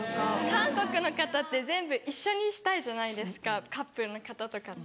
韓国の方って全部一緒にしたいじゃないですかカップルの方とかって。